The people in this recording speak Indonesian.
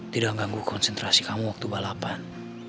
tidak mengganggu konsentrasi kamu waktu balapan